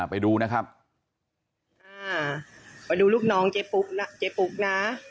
ไปดูนะครับอ่ามาดูลูกน้องเจ๊ปุ๊กนะเจ๊ปุ๊กนะ